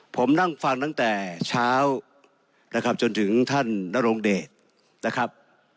ผมนั่งฟังตั้งแต่เช้านะครับจนถึงท่านนโรงเดชนะครับ